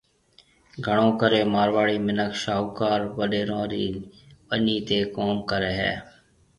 گھڻو ڪرَي مارواڙي مِنک شاھوڪار وڏيرون رِي ٻنِي تي ڪوم ڪرَي ھيَََ